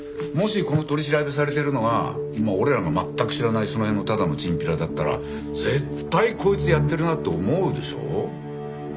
もしこの取り調べされてるのが俺らの全く知らないその辺のただのチンピラだったら絶対こいつやってるなって思うでしょ？